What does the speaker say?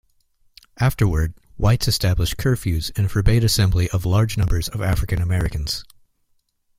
Afterward, whites established curfews and forbade assembly of large numbers of African- Americans.